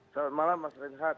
selamat malam mas renhat